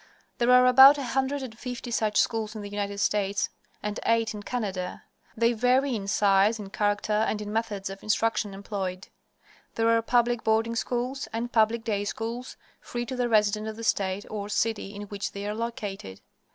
There are about a hundred and fifty such schools in the United States and eight in Canada. They vary in size, in character, and in methods of instruction employed. There are public boarding schools, and public day schools, free to the resident of the state, or city, in which they are located.